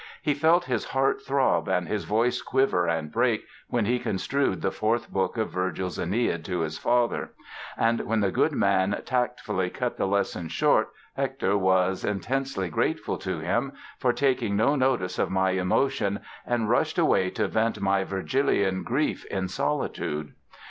He "felt his heart throb and his voice quiver and break" when he construed the fourth book of Virgil's "Aeneid" to his father; and when the good man tactfully cut the lesson short Hector was "intensely grateful to him for taking no notice of my emotion and rushed away to vent my Virgilian grief in solitude".